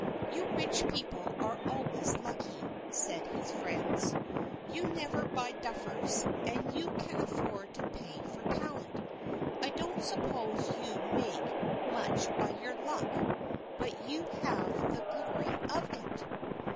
"You rich people are always lucky," said his friends. "You never buy duffers, and you can afford to pay for talent. I don't suppose you make much by your luck, but you have the glory of it."